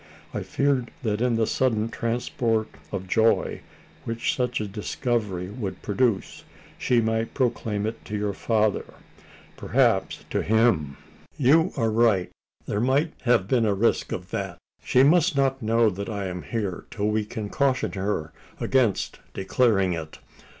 I feared that in the sudden transport of joy which such a discovery would produce, she might proclaim it to your father perhaps to him!" "You are right there might have been a risk of that. She must not know that I am here, till we can caution her against declaring it.